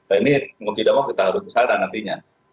ini mau tidak mau kita harus ke sana nantinya